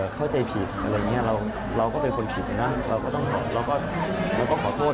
เข้าใจผิดเราก็เป็นคนผิดนะเราก็ต้องขอโทษ